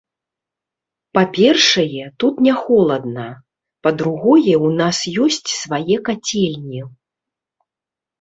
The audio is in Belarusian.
Па-першае, тут не холадна, па-другое, у нас ёсць свае кацельні.